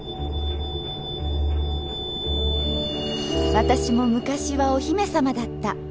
私も昔はお姫さまだった